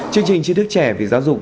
chương trình chiến thức trẻ vì giáo dục